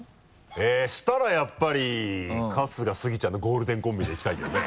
えぇそしたらやっぱり春日スギちゃんのゴールデンコンビで行きたいけどね。